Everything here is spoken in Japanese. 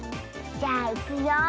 じゃあいくよ。